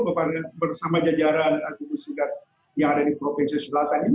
bapak gubernur bersama jajaran agung segera yang ada di provinsi selatan ini